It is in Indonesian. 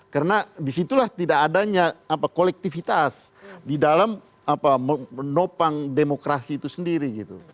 karena di situlah tidak adanya kolektivitas di dalam menopang demokrasi itu sendiri gitu